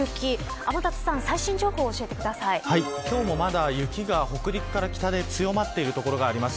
天達さん、最新情報を今日もまだ雪が北陸から北で強まっている所があります。